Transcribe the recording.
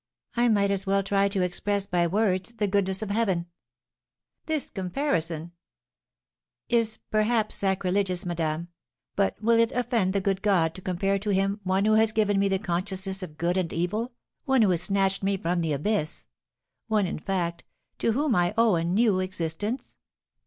I might as well try to express by words the goodness of Heaven!" "This comparison " "Is, perhaps, sacrilegious, madame; but will it offend the good God to compare to him one who has given me the consciousness of good and evil, one who has snatched me from the abyss, one, in fact, to whom I owe a new existence?"